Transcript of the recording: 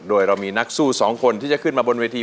โดยเรามีนักสู้สองคนที่จะขึ้นมาบนเวที